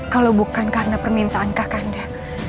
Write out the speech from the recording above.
kalau bukan karena permintaan kak kanda